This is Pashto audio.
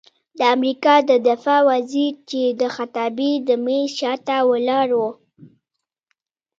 د امریکا د دفاع وزیر چې د خطابې د میز شاته ولاړ و،